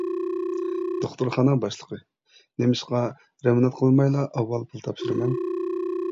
دوختۇرخانا باشلىقى: «نېمىشقا رېمونت قىلمايلا ئاۋۋال پۇل تاپشۇرىمەن» .